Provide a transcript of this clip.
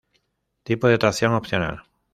Tipo de tracción opcional.